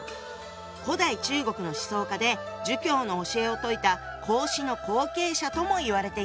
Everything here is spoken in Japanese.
古代中国の思想家で儒教の教えを説いた孔子の後継者ともいわれているよね。